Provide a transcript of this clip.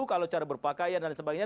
kalau cara berpakaian dan sebagainya